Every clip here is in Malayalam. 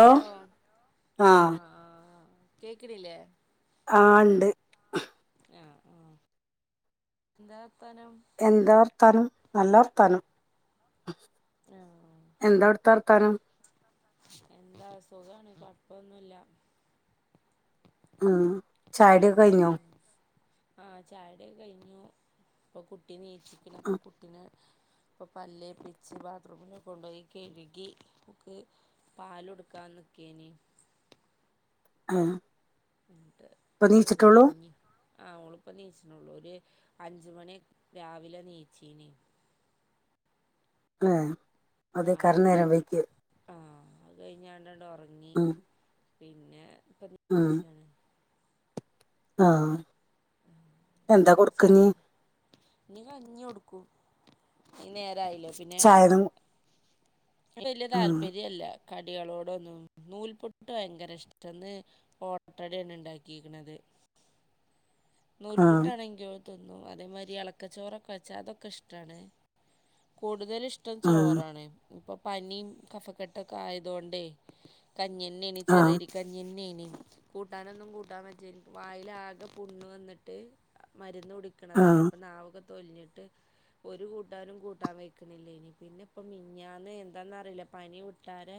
ഹലോ ആ ആഹ കേക്കണില്ലേ ആണ്ട് ആ ആ എന്താ വർത്താനം എന്താ വർത്താനം നല്ല വർത്താനം ആ എന്താവടത്തെ നം എന്താ സുഖമാണ് കുഴപ്പൊന്നുമല്ല ഉം ചായ കുടിയക്കെ കഴിഞ്ഞോ ആഹ ചായ കുടിയൊക്കെ കഴിഞ്ഞു ഇപ്പൊ കുട്ടി നീച്ചിക്കണ് പ്പൊ ഉം, കുട്ടീ ഇപ്പൾ പല്ല് തേപിച്ച് ബാത്റൂമിൽ കൊണ്ടുപോയി കഴുകി ഒക്ക് പാല കൊടുക്കാന്ന് നി ആഹ ത ഓക്ക് കഞ്ഞി ആ ഒളിപ്പം നീച്ചിണള്ളൂ ഒരു അഞ്ച മണി രാവിലെ നീച്ചീന ആ അത ആ കറേ അത് നേരംവയ്കി ആ അത് കഴിഞ്ഞ [inaudible] ആഹ പിന്നെ [inaudible] ആഹ എന്താ കൊടുക്ക്ന്നേ നനികഞ്ഞി കൊടുക്കും ഇ നേരായില്ലോ പിന്നെ ചായ ഒന്നും വല്യ ഉം, താല്പര്യല്ല കടികളോട ഒന്നും നൂൽപുട്ടാ ഭയങ്കര ഇഷ്ടന്ന് ഓട്ടടാണ് ഉണ്ടാക്കിയിരിക്കണുന്നത് ഉം, നൂൽപുട്ടാണെങ്കി അതേരി ഇളക്കച്ചോറൊക്കെ വെച്ച അതൊക്കെ ഇഷ്ട്ടാണ് കൂടുതല് ഇഷ്ടം ഉം, ചോറാണ് ഇപ്പൊ പനിയും കഫക്കെട്ടൊക്കെ ആയതുകൊണ്ടേ കഞ്ഞിന്നയാണ് ആ ചെറിയരി കഞ്ഞിൻെണ കൂട്ടാനൊന്നും കൂട്ടാൻ വച്ചാ വായിലാകെ ഇ വന്നിട്ട് മരുന്ന് ആ കുടിക്കണതല്ലേ അപ്പൊ നാവൊക്കെ തൊലിഞ്ഞിട്ട് ഒരു കൂട്ടാനും കൂട്ടാൻ കെക്കണില്ലേ ഇനി പിന്നെ ഇപ്പ മിഞ്ഞന്ന് എന്താന്ന അറിയില്ല പനി വിട്ടാര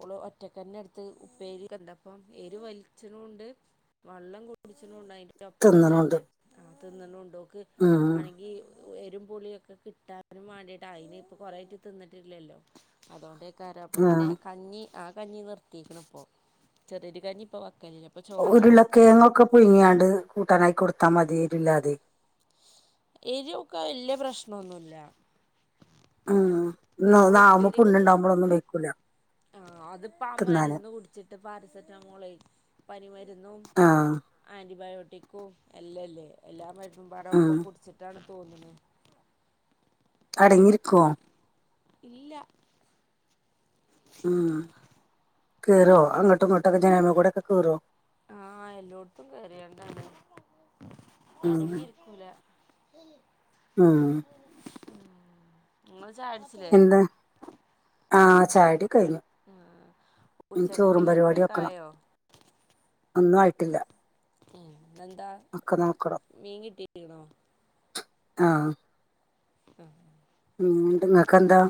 ഓള ഒറ്റക്കന്നെ എടുത്ത് ഉപ്പേരി കണ്ടപ്പം എരി വലിച്ചണൊണ്ട് വെള്ളം കുടിച്ചണണ്ട അയി ഒപ്പം തിന്നണുണ്ട് തന്നെ ആ തിന്നണം ഉണ്ടോക്ക് ഉം, ആണെങ്കി- എരുംപുളിയൊക്കെ കിട്ടാനും വേണ്ടിട്ട് അതിന് ഇപ്പ കൊറേ ആട്ട് തിന്നിട്ടില്ലല്ലോ അതുകൊണ്ട അപ്പ ആ പിന്നെ കഞ്ഞി ആ കഞ്ഞി നിർത്തിക്കണ ഇപ്പോ ചെറിയരി കഞ്ഞി ഇപ്പൊ വക്കലില്ല ഇപ്പൊ ചോറാ കൊടുക്കല് ഉരുളക്കേങ്ങൊക്കെ പുഴുങ്ങിയാണ്ട് കൂട്ടാനായി കൊടുത്താ മതിരില്ലാതെ എരി ഒക്കെ വല്യ പ്രശ്നൊന്നുമല്ല ഉംഇതകുമ്പോ വായ് പുണ്ണുണ്ടാവുമ്പോളൊന്നും വെക്കൂല ആഹ അതിപ്പ ആ തിന്നാന് മരുന്ന് കുടിച്ചിട്ട് പാരസെറ്റാമോൾ പനിമരുന്നും ആ ആന്റി ബയോട് ട്ടിക്കോ അല്ലല്ലേ എല്ലാം മരുന്നും വറെ ഉം ഒപ്പം കുടിച്ചിട്ടാണ് തോന്നുന്നത് അടങ്ങി ഇരിക്കുവോ ഇല്ല ഉം കേറോ അങ്ങോട്ടും ഇങ്ങോട്ടൊക്കെ ജനാല കൂടക്കെ കേറോ ആഹ എല്ലോട്ടും കയറിയേണ്ടാണ് ഉം അടങ്ങിയിരിക്കൂല ഉം ഉം ഉ നിങ്ങ ചായകുടിച്ചില്ലേ ചായ കുടി കഴിഞ്ഞു ഇനി ചോറും പരിപാടി ഉച്ചക്കക്കില്ലതൊക്കെ വെക്കണം ആയോ ഒന്നും ആയിട്ടില്ല ഉ എന്താ ഒക്കെ മീൻ കിട്ടിരിക്കണോ ആഹ ആഹ ഉന്തങ്ങക്കെന്താ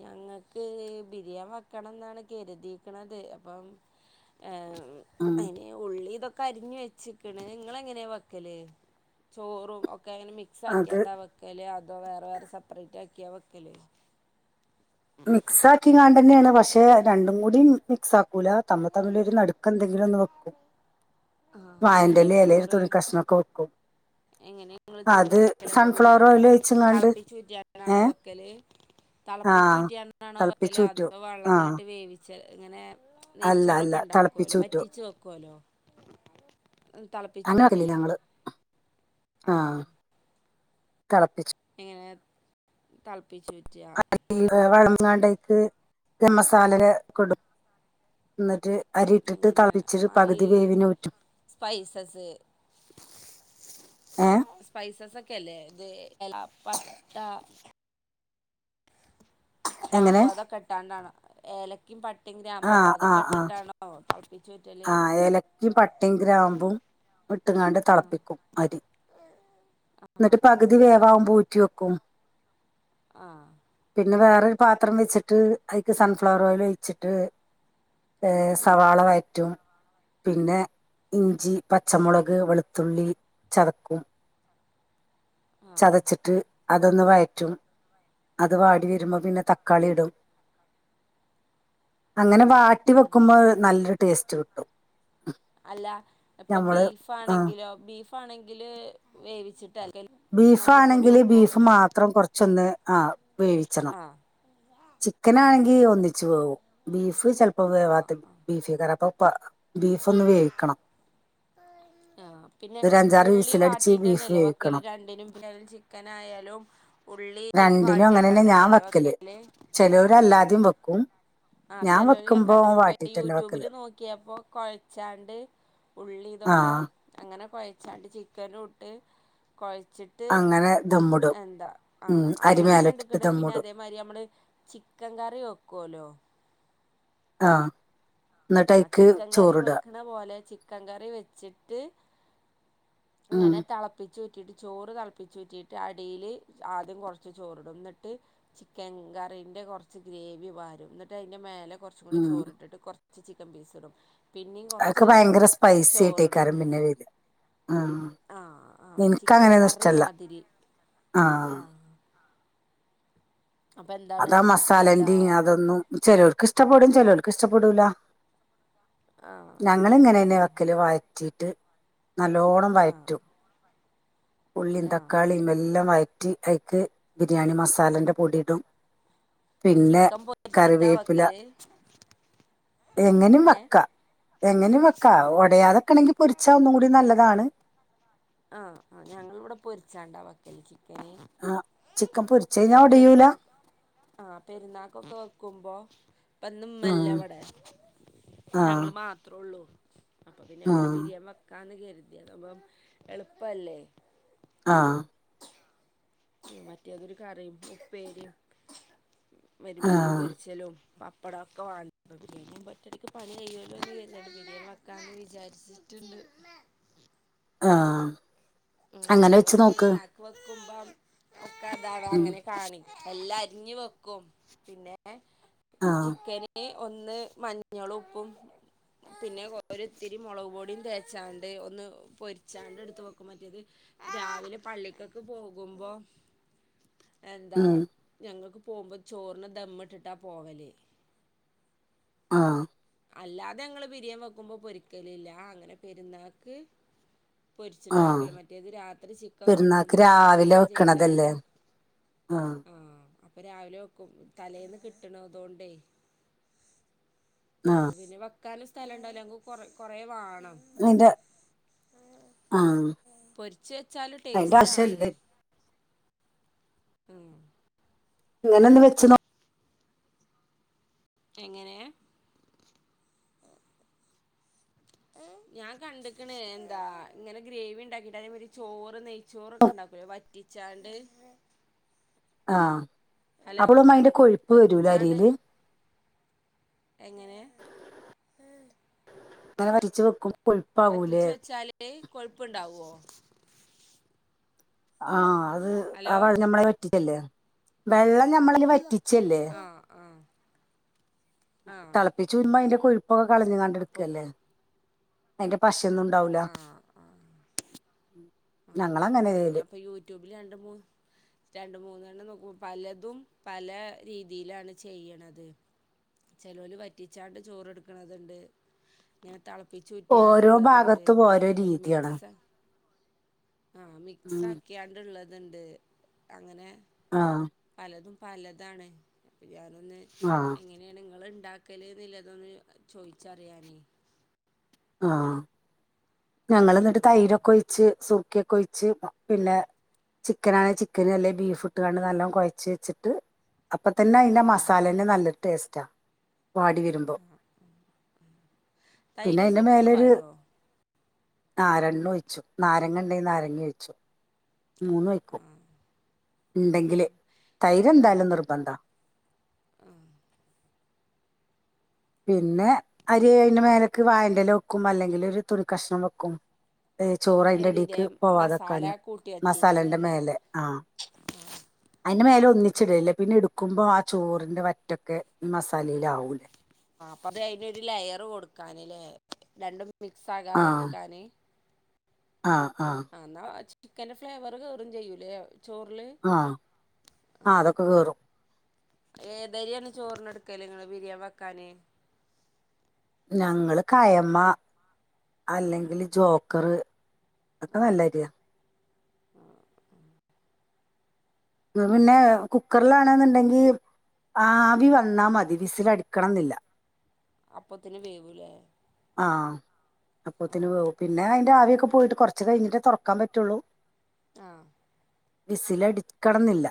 ഞങ്ങക്ക് ബിരിയാണി വെക്കണം എന്നാണ് കരുതിക്കണത് അപ്പം ഉം അെ ഉള്ളി ഇതൊക്കെ കരിഞ്ഞ വെച്ചിക്കണ് നിങ്ങള എങ്ങനെയാ വെക്കല് ചോറും ക്ക അന് മിക്സ് അത് ആക്കിയാണ്ടാ വയ്ക്കല് അതോ വേറെ വേറെ സെപ്പറേറ്റ് ആക്കിയാ വയ്ക്കല് മിക്സ് ആക്കിങ്ങാണ്ട തന്നെയാണ് പക്ഷെ രണ്ടും കൂടി മിക്സ് ആക്കും ല തമ്മ തമ്മിൽഒരു നടുക്ക എന്തെങ്കിലുംന്ന് വെക്കും ആഹ് വാഴേന്റെ എങ്ങനെയാ ഇല അല്ലെ ഒരു ചോറ് തുണി കഷ്ണംമൊക്കെ വെക്കും എങ്ങനെ നിങ്ങള് ചോറ് അത് വയ്ക്കല അപ്പൊ സൺഫ്ലവർ ബിരിയാണി ഓയിൽ ഒഴിച്ച്ങ്ങാണ്ട് തിളപ്പിച്ചു ഊറ്റിയണോ ഏഹ് വയ്ക്കല് ആഹ് തിളപ്പിച്ചുറ്റിയാണോ വക്കല് തിളപ്പിച്ചൂറ്റും അത ആഹ് വെള്ളത്തിലിട്ട് വേവിച്ച എങ്ങനെ അല്ല അല്ല നെയ്ച്ചോറൊക്കെ ഉണ്ടാക്കുവല്ലോ തിളപ്പിച്ചൂറ്റും വറ്റിച്ചു വെക്കുവല്ലോ തിളപ്പിച്ചുറ്റിയെ ആഹ തിളപ്പിച്ച തല്പര്യ അ വളം അങ്ങാണ്ടേക്ക് മസാല കൊടു എന്നിട്ട് അരിയിട്ടിട്ട് അങ്ങനെ തളിച്ചിട്ട ഈ പകുതി വേവിനെ ഊറ്റു സ്പൈസസ് ഒക്കെ അല്ലേ ഇത് എലപ്പട്ട എങ്ങനെ ഗ്വാമ്പോ അതൊക്കെ ഇട്ടാണ്ടാണോ ഏലക്കും പട്ടയും ഗ്വാമ്പോവാ അതൊക്കെ ഇട്ടിട്ടാണോ തിളപ്പിച്ചൂറ്റല് ആ ഏലക്കും പട്ടയും ഗ്രാമ്പും ഇട്ട്ങ്ങാണ്ട് ആ തിളപ്പിക്കും അരി ആ എന്നിട്ട് ആ പകുതി വേവാകുമ്പം ഊ ക്യോക്കും ആ പിന്നെ വേറെ പാത്രം വെച്ചിട്ട് അ സൺഫ്ലവർ ഓയിൽ ഒഴ്ച്ചിട്ട് ആ സവാള വഴ പിന്നെ ഇഞ്ചി പച്ച മുള ക് വളുത്തുള്ളി ചതക്കും ആ ചതച്ചിട്ട് അതൊന്ന് വഴറ്റും അത് വാടി വരുമ്പോ പിന്നെ തക്കാളി ഇടും അങ്ങനെ വാട്ടി വെക്കുമ്പോ നല്ലൊരു ടേസ്റ്റ് കിട്ടും അല്ല ഇപ്പൊ ഞമ്മള് ആ ബീഫ്ണെങ്കിലോ ബീഫ് ആണെങ്കില് വേവിച്ചിട്ടല്ല ബീഫാണെങ്കില് ബീഫ് മാത്രം കുറച്ചൊന്ന് ആ വേവിച്ചണം ആ ചിക്കൻ ആ ആണെങ്കി ഒന്നിച്ചു വേകും ബീഫ് ചിലപ്പോ ആ വേവാത്ത ആ ബീഫ് യ്കാരപ്പം ബീഫ ഒന്ന് വേവിക്കണം ആ പിന്നെ ഒരു അഞ്ചാറ് ഉള്ളി വിസിലടിച്ച് ബീഫ് വാട്ടിട്ടന്നല്ല വക്കല് വേവിക്കണം രണ്ടിനും പിന്നെ ചിക്കൻ ആയാലും ഉള്ളി വാട്ട്യാണ്ടനെല്ല വക്കല് ചിലവർ അല്ലാതും വെക്കും ആഹ ചെലര് ഞാൻ വെക്കുമ്പോ കണ്ട കിണ് ഇപ്പ വാട്ടിട്ടന്നെ വെക്കല് യൂട്യൂബില് നോക്കിയപ്പോ കൊഴച്ചാണ്ട് ഉള്ളി ആ ഇതൊക്കെ അങ്ങനെ കൊഴച്ചാണ്ട് ചിക്കൻ ഇട്ട് കൊഴച്ചിട്ട് അങ്ങനെ ദമ്മിടും എന്താ ഉം ആഹ് അരി അങ്ങനെ കണ്ട മേലിട്ടിട്ട് കിണ് പിന്നെ ദമ്മിടും അതേമാതിരി നമ്മള് ചിക്കൻ കറി വെക്കുവല്ലോ ആഹ ആ ചിക്കൻ കറി വെക്കണ പോലെ ചിക്കൻ കറി വെച്ചിട്ട് ഉം അങ്ങനെ തെളപ്പിച്ചു കിട്ട് ചോറ് തിളപ്പിചൂറ്റിയിട് അടിൽ ആദ്യം കുറച്ച് ചോറിടും ന്നിട്ട് ചിക്കൻ ക ന്റെ കുറച്ച് ഗ്രേവി വാരും എന്നിട്ട് അതിന്റെ മേല കുറച്ചും കൂടി ഉം ചോറിട്ടിട്ട് കുറച്ച് ചിക്കൻ പീസ് ഇടും പിന്നെയും അതൊക്കെ കുറച്ച് ഭയങ്കര സ്പൈസി ആയിട്ടേക്കാരും പിന്നെ വരി ഉ ആഹ ആഹ് ചിക്കൻ കറി മാതിരി ആഹ് ആഹ അതാ എന്താ മസാലേറയും അതൊന്നും ചിലവർക്ക് ഇഷ്ടപ്പെടും ചെിലവർക്ക് ഇഷ്ടപ്പെടൂല ആ ഞങ്ങളിങ്ങനെെ വക്കല് വായിറ്റിട്ട് നല്ലോണ്ണം ആ വഴറ്റും ഉള്ളിയും ആ തക്കാളിയും എല്ലാം വയറ്റും റ്റി അക്ക് ബിരിയാണി മസാലന്റെ പൊടിയിടും പിന്നെ ചിക്കൻ പൊരിച്ചിട്ടാ കറിവേപ്പില വെക്കൽ എങ്ങനെും ഏ വെക്കാ എങ്ങനെ വെക്കാ ആ ഒടയാതെക്കണെങ്കിൽ പൊരിച്ചാ ഒന്നും കൂടി നല്ലതാണ് ആഹ ആ് ഞങ്ങൾ ഇവിടെ പൊരിച്ചാണ്ടാ വക്കലക്ക് ആഹ ചിക്കൻ പൊരിച്ച ഞാ ഒടയൂല ആഹ പെരുന്നാക്കൊക്കെ വെക്കുമ്പോ ഇപ്പന്നുംമ്മല്ല ഉം വടെ ആഹ് ഞങ്ങള്ൾ മാത്രേ ഉള്ളൂ അപ്പൊ പിന്നെ ആഹ് അങ്ങനെ ബിരിയാണി വെക്കാന്ന് കരുതി അതുമ്പം എളുപ്പല്ലേ ആഹ മറ്റേ അതൊരു കറിയും ഉപ്പേരി മരു മീൻ ആഹ് പൊരിച്ചലും പ ഇപ്പടൊക്കെ വ [unintelligible] ഇതിപ്പോ ഒറ്റടക്ക് പണി കഴ്യല്ലോന്ന് വിചാരിച് ബിരിയാൻ വക്കാന്ന് വിചാർച്ചിട്ടൻഡ് ആഹ ഉ ഞങ്ങളോട് പെരുന്നാക്ക് വെക്കുമ്പ ഒക്കെ അതാവാ ഉം അങ്ങനെ കാണിക്കും എല്ലാം അരിഞ്ഞു വെക്കും പിന്നെ ആ ചിക്കന് ഒന്ന് മഞ്ഞളും ഉപ്പും പിന്നെ ഒര് ത്തിരി മുളക് പൊടിയും തേച്ചാണ്ട് ഒന്ന് പൊരിച്ചാണ്ട് എടുത്ത്പ വെ മറ്റിയത് രാവിലെ പള്ളിക്കക്ക് പോകുമ്പോ എന്താ ഉം ഞങ്ങൾക്ക് പോകുമ്പോ ചോറിന ദമ്മിട്ടിട്ടാ പോവലേ ആ അല്ലാതെ ഞങ്ങള്ൾ ബിരിയാണി വെക്കുമ്പോ പൊരിക്കലല്ല അങ്ങനെ പെരുന്നാക്ക് പൊരിച്ചിട്ട് ആ നോക്കല മറ്റേത് രാത്രി ചിക്കൻ പെരുന്നാക്ക് കൊണ്ടന്ന് വന്ന് രാവിലെ ക്ലീൻ വെക്കണതല്ലേ ചെയ്താണ്ട് ആ ആഹ് അപ്പൊ രാവിലെ വെക്കും തലേന്ന് കിട്ടണതൊണ്ടേ ആ അപ്പൊ പിന്നെ വെക്കാനും സ്ഥലഇണ്ടാവൂല അല്ലെങ്കിൽ കൊ കൊറെ വാ [unintelligible] ആ പൊരിച്ച് വെച്ചാല് അതിന്റെ ടേസ്റ്റാണ്. ആവശ്യമില്ലേ മം ഇങ്ങനെ ഒന്ന് വെച്ച നോ എങ്ങനെ [inaudible] ഞാൻ കണ്ട്ക്ക്ണ് എന്താ ഇങ്ങനെ ഗ്രേവി ഇണ്ടാക്കിട്ട് അതേമാതിരി ചോറ് നെയ്ച്ചോർ ഒക്കെ ഉണ്ടാക്കൂലെ വറ്റി ച്ചാണ്ട് ആ അപ്പളും അയിന്റെ കൊഴുപ്പ് വെരൂലേ വറ്റിച്ചാണ്ട് അരിയില് എങ്ങനെ? ബ വരച്ച് വെക്കും. വറ്റിച്ച് കൊഴുപ്പാകൂലേ വെച്ചാല് കൊഴുപ്പ്ണ്ടാവോ? ഹലോ ആഹഅത് നമ്മളെ പ [unintelligible] വെള്ളം ഞമ്മളതില് വറ്റിച്ചല്ലേ? ആഹ് ആഹ് ആഹ് തളപ്പിച്ച് ഊറ്റുമ്പോ അതിന്റെ കൊഴുപ്പൊക്കെ കളഞ്ഞാണ്ട് അപ്പൊ ഇട്ക്കല്ലേ അതിന്റെ പഷ ഇണ്ടാവൂല ആഹ് ആഹ് ആഹ് ഞാൻപ്പോ യൂട്യൂബിൽ രണ്ട് മൂന്ന് രണ്ട മൂന്നെണ്ണം നോ പലതും പല രീതിയിലാണ് ചെയ്യണത്. ചെലോല് വറ്റിച്ചാണ്ട് ചോറ്ട്ക്ക്ണത്ണ്ട് ഇങ്ങനെ തള ഇ ഓരോ ചുറ്റിയാണ്ടുള്ളതുണ്ട് ഭാഗത്തും പിന്നെ ഓരോ അതേമാരി രീതിയാണ് മിക്സ ആ മിക്സ് ഉം ആക്കിയാണ്ടുള്ളതുണ്ട് അങ്ങനെ ആ ത് പലതാണ് അപ്പൊ ഞാനൊന്ന് ആ എങ്ങനെയാണിങ്ങൾ ഇണ്ടാ ഉണ്ടാക്കല് ന്നില്ലതൊന്ന് ചോദിച്ചറിയാനേ ആ ഞങ്ങൾ ന്നട്ട് ആഹ് തൈരൊക്കെ ഒഴിച്ച് സുർക്ക ഒക്കെ ഒഴിച്ച് പിന്നെ ചിക്കനാണെ ചിക്കന് അല്ലെ ബീഫ് ഇട്ട് കാണ്ട് നല്ലോം കൊഴച്ച് വെച്ചിട്ട് അപ്പ തന്നെ അയിന്റെ ആഹ് മസാലെന്നെ നല്ലോരു ടേസ്റ്റാ. വാടി വരുമ്പോ പിന്നെ തൈരും അയിന്റെ സുർക്കിം മേലൊ രു പാരോ നാരണ്ണ ഒഴിച്ചു നാരങ്ങ ഇണ്ടെങ്കിൽ നാരങ്ങി വഴച്ചു. മൂന്നു ആഹ് ഴിക്കും ഉണ്ടെങ്കില് തൈരെന്താലും നിർബന്ധ പിന്നെ അരി അയിന്റെ മേലക്ക് വായറ്റെല വെക്കും അല്ലെങ്കിൽ ഒരു തുണി കഷ്ണം വെക്കും. ഇതിന്റെ ചോറൈന്റെടീക്ക് പോവാതൊക്കാൻ മസാല കൂട്ടി വച്ചീന്റെ മസാലേന്റെ മേലെ ആ [inaudible] അയിന്റെ മേലെ ഒന്നിച്ചിടല്ലേ പിന്നെ ഇ ടുക്കുമ്പോ ആ ചോറിന്റെ വറ്റൊക്കെ മസാലയിആാവൂല്ലേ അപ്പത് അയ്നൊരു. ലയറ് കൊടുക്കാന്ല്ലേ രണ്ടും മിക്സ് ആകാതക്കാന് ആ ആ ചിക്കന്റെന്റെ ഫ്ലേവർ കയറും ചെയ്യൂലേ ചോറില് ആ ആ അതൊക്കെ കേറും. ഏതരിയാണ് ചോറിന് ഇട്ക്കല് നിങ്ങള് ബിരിയാണി വെക്കാന്? ഞങ്ങള് കയമ്മ അല്ലെങ്കില് ജോക്കർ ഒക്കെ നല്ലായിരിയാ [inaudible] [unintelligible] പിന്നെ കുക്കറിലണെന്ന്ണ്ടെങ്കി ആവി വന്നാ മതി വിസിലടിക്കണംന്നില്ല അപ്പത്തിന് വേവൂലേ? ആ ആ അപ്പോത്തിന് പിന്നെ അതിന്റെ ആവിയൊക്കെ പോയിട്ട് കുറച്ച് കഴിഞ്ഞിട്ടേ തുറക്കാൻ പറ്റുള്ളൂ ആഹ് വിസിൽ അടിക്കണംന്നില്ല.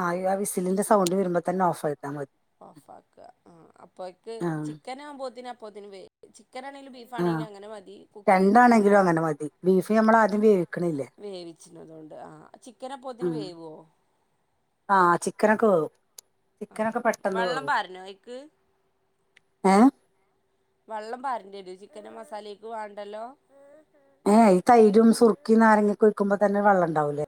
ആ ആ വിസിലിന്റെ സൗണ്ട് വരുമ്പോ തന്നെ ഓഫ് ആയിത്താൻ മതി ഓഫ് ആക്ക. ആ അപ്പോക്ക് ആഹ് ചിക്കനാവുമ്പോ അപ്പോത്തിന് വേ ചിക്കൻ ആണെങ്കിലും ആഹ് ബീഫാണെങ്കിലും അങ്ങനെ മതി കുക്കറിൽ രണ്ടാണെങ്കിലും വെക്കുമ്പോൾ അങ്ങനെ മതി. ബീഫ് നമ്മള ആദ്യം വേവിക്കണില്ലേ ച്ച്ണതോണ്ട് ആ ചിക്കനപ്പൊത്തിന് ഉം വേവോ ആഹ് ചിക്കനക്ക വേവു ആ ചിക്കനൊക്കെ പെട്ടെന്ന് വെള്ളം വേവും പാരണോ അതിക്ക് ഏ വെള്ളം പാരണ്ട്യേരൊ ചിക്കൻ്റെ മസാലേക്ക് വേണ്ടല്ലോ ഏ എ. ഈ തൈരും സുർക്കിം നാരങ്ങി ഒക്കെ ഒഴിക്കുമ്പോ തന്നെ വെള്ളംണ്ടാവുലേ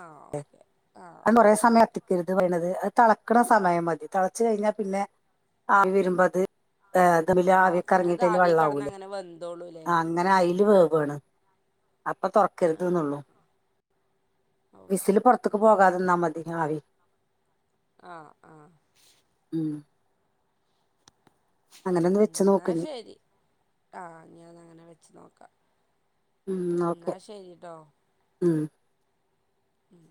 ആ ഓക്കെ ആ അത് കൊറേ സമയം കത്തിക്കരുത് [unintelligible] അത് തെളക്കണ സമയം മതി തെളച്ചു കഴിഞ്ഞാ പിന്നെ ആവി വരുമ്പോ അത് ഏ ധമ്മില് ആ പിന്നെ അത് ആവിയൊക്കെറങ്ങീട്ടയ്ല് ആവി കടന്ന് വെള്ളമാകൂലേ. അങ്ങനെ വെന്തോളൂല്ലേ അങ്ങനെ അയില് വേ വ്ണത്. അപ്പം തുറക്കരുത് ആ ന്നൊള്ളൂ ഓക്കെ വിസില് പൊറത്ത്ക്ക് പോകാതന്നാ മതി ആവി ആ ആ ഉം അങ്ങനെ ഉം ഒന്ന് വെച്ച് ന്നാ നോക്ക് ഇനി ശരി ആഹ് ഇഞാൻ അങ്ങനെ വെച്ച് നോക്കാം ഉം ന്നാ ശരിട്ടോ ഉം ഉം